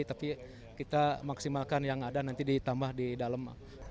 tapi kita maksimalkan yang ada nanti ditambah di dalam